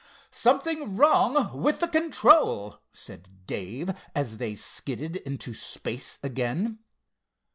"Something wrong with the control," said Dave, as they skidded into space again.